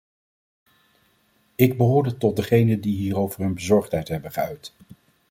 Ik behoorde tot degenen die hierover hun bezorgdheid hebben geuit.